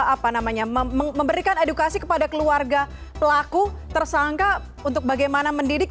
apa namanya memberikan edukasi kepada keluarga pelaku tersangka untuk bagaimana mendidik